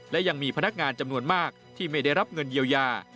และยังมีพนักงานจำนวนมากที่ไม่ได้รับเงินเยียวยา